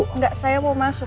enggak saya mau masuk